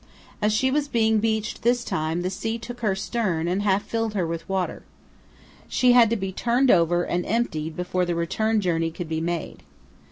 As she was being beached this time the sea took her stern and half filled her with water. She had to be turned over and emptied before the return journey could be made.